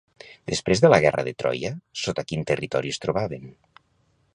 Després de la guerra de Troia, sota quin territori es trobaven?